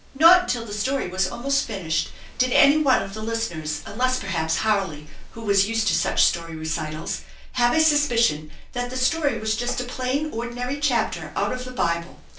Not until the story was almost finished did any one of the listeners, unless per haps Harley, who was used to such story recitals, have a sus picion that the story was just a plain, ordinary chapter out of the Bible.